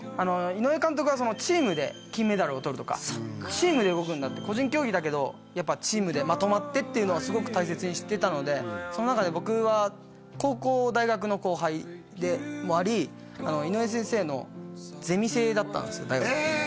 井上監督はチームで金メダルを取るとかチームで動くんだって個人競技だけどやっぱチームでまとまってっていうのをすごく大切にしてたのでその中で僕は高校大学の後輩でもあり井上先生のゼミ生だったんすよ大学へえ